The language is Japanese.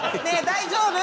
大丈夫？